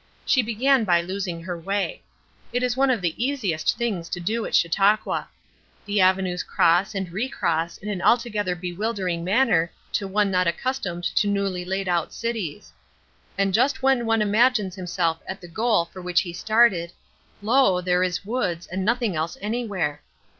She began by losing her way. It is one of the easiest things to do at Chautauqua. The avenues cross and recross in an altogether bewildering manner to one not accustomed to newly laid out cities; and just when one imagines himself at the goal for which he started, lo! there is woods, and nothing else anywhere.